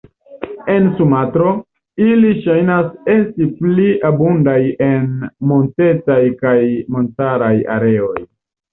En Sumatro, ili ŝajnas esti pli abundaj en montetaj kaj montaraj areoj.